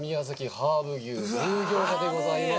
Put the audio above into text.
ハーブ牛牛餃子でございます。